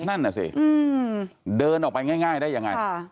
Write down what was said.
นั่นน่ะสิเดินออกไปง่ายได้ยังไง